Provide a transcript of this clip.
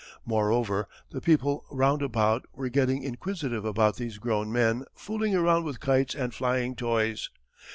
Moreover the people round about were getting inquisitive about these grown men "fooling around" with kites and flying toys.